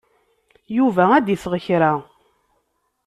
Yuba ad d-iseɣ kra.